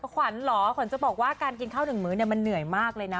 ขวัญเหรอขวัญจะบอกว่าการกินข้าวหนึ่งมื้อมันเหนื่อยมากเลยนะ